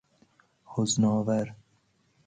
حزن آور